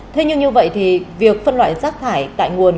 thế nhưng như vậy thì việc phân loại rác thải tại nguồn